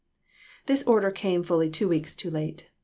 This order came fully two weeks too late.